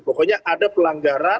pokoknya ada pelanggaran